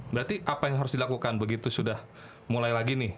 berarti apa yang harus dilakukan begitu sudah mulai lagi nih